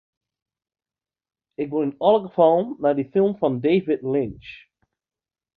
Ik wol yn alle gefallen nei dy film fan David Lynch.